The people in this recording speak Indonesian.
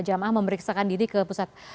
jamaah memeriksakan diri ke pusat